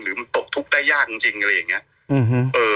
หรือมันตกทุกข์ได้ยากจริงอะไรอย่างนี้